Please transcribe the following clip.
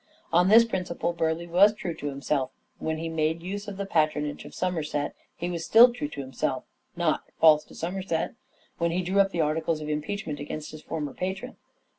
On this principle Burleigh was true to himself when he made use of the patronage of Somerset ; he was still true to himself, not false to Somerset, when he drew up the articles of impeachment against his former patron.